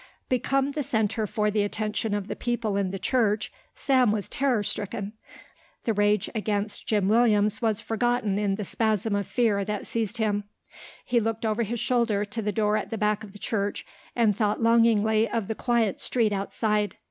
Become the centre for the attention of the people in the church Sam was terror stricken. The rage against Jim Williams was forgotten in the spasm of fear that seized him. He looked over his shoulder to the door at the back of the church and thought longingly of the quiet street outside.